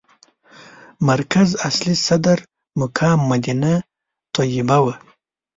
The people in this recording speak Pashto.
مرکز اصلي صدر مقام مدینه طیبه وه.